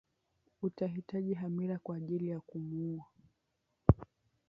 Utahitaji hamira kwa ajili ya kuumua